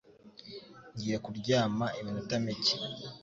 Ngiye kuryama iminota mike.